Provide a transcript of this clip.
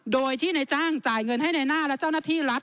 โดยที่ในจ้างจ่ายเงินให้ในหน้าและเจ้าหน้าที่รัฐ